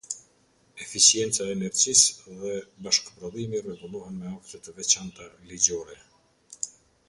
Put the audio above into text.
Efiçienca e energjisë dhe bashkëprodhimi rregullohen me akte të veçanta ligjore.